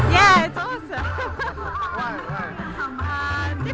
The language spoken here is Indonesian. ya itu keren